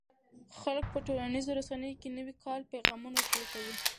خلک په ټولنیزو رسنیو کې د نوي کال پیغامونه شریکوي.